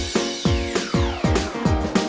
เสร็จแล้วค่ะ